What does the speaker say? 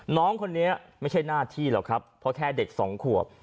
น้องคนนี้ไม่ใช่หน้าที่หรอกครับเพราะแค่เด็กสองขวบ